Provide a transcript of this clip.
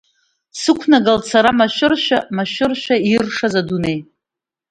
Сықәнагалт сара машәыршәа, машәыршәа иршаз адунеи.